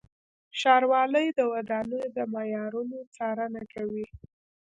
ښاروالۍ د ودانیو د معیارونو څارنه کوي.